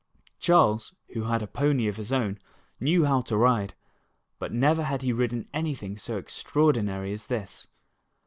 Charles, who had a pony of his own, knew how to ride, but never had he ridden anything so extraordinar}* as this.